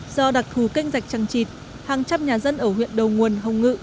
do đặc thù kênh dạch trăng trịt hàng trăm nhà dân ở huyện đầu nguồn hồng ngự